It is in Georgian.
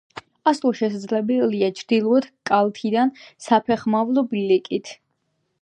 ასვლა შესაძლებელია ჩრდილოეთ კალთიდან, საფეხმავლო ბილიკით.